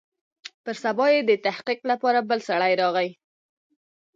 پر سبا يې د تحقيق لپاره بل سړى راغى.